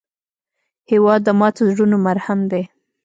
هېواد د ماتو زړونو مرهم دی.